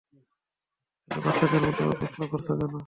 তাহলে বাচ্চাদের মতো প্রশ্ন করছো কেন?